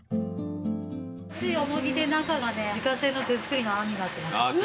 ヨモギで中がね自家製の手作りのあんになってます。